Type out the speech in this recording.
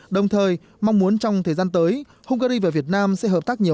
đồng thời mong muốn trong thời gian tới hungary và việt nam sẽ hợp tác nhiều